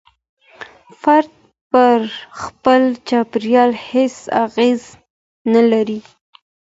فرد پر خپل چاپېريال هيڅ اغېزه نلري.